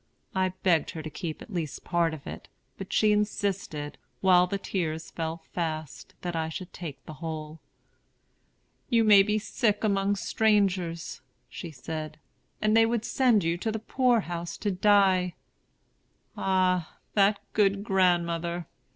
I begged her to keep at least part of it; but she insisted, while her tears fell fast, that I should take the whole. 'You may be sick among strangers,' said she; 'and they would send you to the poor house to die.' Ah, that good grandmother!